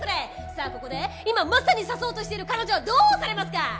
さあここで今まさに刺そうとしている彼女はどうされますか！？